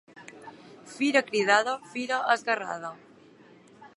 Fira cridada, fira esguerrada.